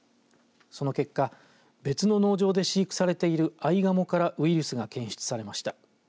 その結果、別の農場で飼育されているアイガモからウイルスが検出されました。